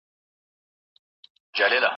په پښتو مي سوګند کړی په انګار کي به درځمه